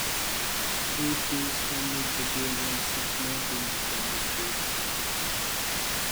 Eight teams come with the game and six more teams can be created.